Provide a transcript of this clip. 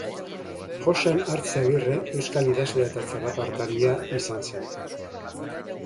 Joxan Artze Agirre euskal idazlea eta txalapartaria izan zen.